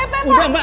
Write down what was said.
eh mak mak mak